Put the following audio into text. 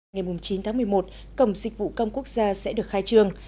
ngày chín tháng một mươi một cổng dịch vụ công quốc gia sẽ được khai trương